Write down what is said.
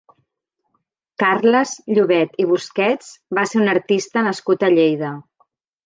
Carles Llobet i Busquets va ser un artista nascut a Lleida.